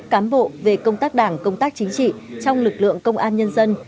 cám bộ về công tác đảng công tác chính trị trong lực lượng công an nhân dân